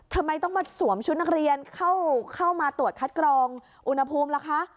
ทำไมต้องมาสวมชุดนักเรียนเข้ามาตรวจคัดกรองอุณหภูมิล่ะคะ